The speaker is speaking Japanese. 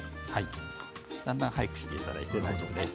だんだん速くしていただいて大丈夫です。